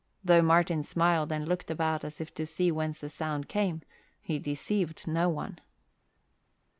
Though Martin smiled and looked about as if to see whence the sound came, he deceived no one.